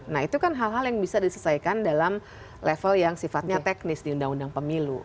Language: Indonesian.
nah itu kan hal hal yang bisa diselesaikan dalam level yang sifatnya teknis di undang undang pemilu